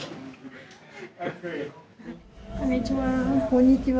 こんにちは。